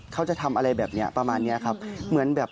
เขาจะทำอะไรแบบนี้ประมาณนี้ครับ